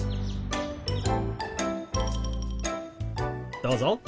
どうぞ。